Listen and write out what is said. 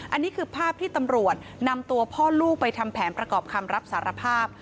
อันนี้คือภาพที่ตำรวจนำตัวพ่อลูกไปทำแผนประกอบคำรับสารภาพ